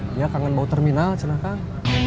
dia kangen bau terminal senang kang